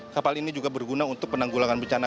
kapal ini juga berguna untuk penanggulangan bencana